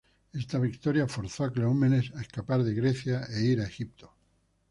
Esta victoria forzó a Cleómenes a escapar de Grecia e ir a Egipto.